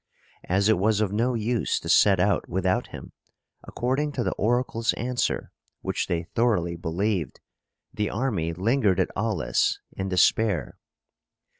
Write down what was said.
As it was of no use to set out without him, according to the oracle's answer, which they thoroughly believed, the army lingered at Aulis in despair.